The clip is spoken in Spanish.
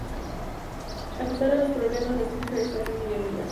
A pesar de los problemas, las dos mujeres se hacen muy amigas.